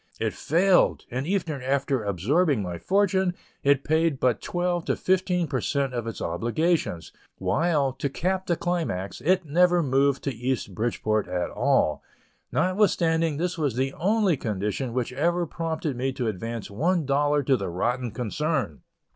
It failed; and even after absorbing my fortune, it paid but from twelve to fifteen per cent of its obligations, while, to cap the climax, it never removed to East Bridgeport at all, notwithstanding this was the only condition which ever prompted me to advance one dollar to the rotten concern!